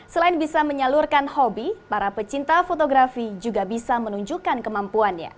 selain bisa menyalurkan hobi para pecinta fotografi juga bisa menunjukkan kemampuannya